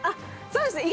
そうですね。